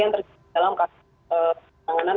yang terjadi dalam kasus penanganan